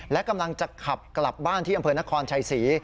และกำลังจะขับกลับบ้านที่อำเภอนครชัยศรี